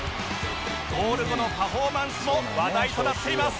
ゴール後のパフォーマンスも話題となっています